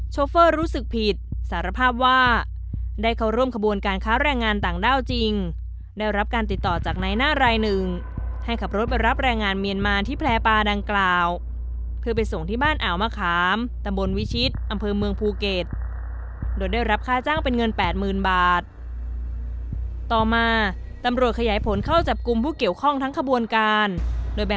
โซฟเฟอร์รู้สึกผิดสารภาพว่าได้เข้าร่วมคบวงการค้าแรงงานต่างด้าวจริงได้รับการติดต่อจากในหน้ายหนึ่งให้ขับรถไปรับแรงงานเมียนมารที่แพร่ปาดังกล่าวเผื่อไปส่งที่บ้านเอามะขามตะบนวิชิตอำเภอเมืองภูเก็ตโดยได้รับค่าจ้างเป็นเงินแปดมืนบาท